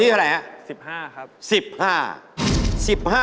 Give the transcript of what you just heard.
ถือเต็ม๑๕